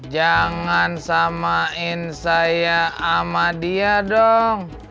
jangan samain saya sama dia dong